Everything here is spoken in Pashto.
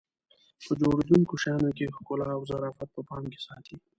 په جوړېدونکو شیانو کې ښکلا او ظرافت په پام کې ساتي.